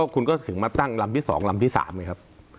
คุณก็ถึงมาตั้งลำที่๒ลำที่๓ไงครับ